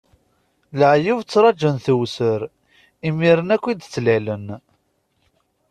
Leεyub ttraǧun tewser, imiren akk i d-ttlalen.